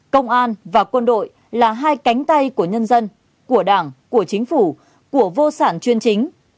công an và quân đội là hai cánh tay của nhân dân của đảng của chính phủ của vô sản chuyên chính